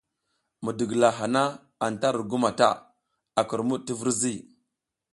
Midigila hana anta ru gu mata, a kurmud ti virzi.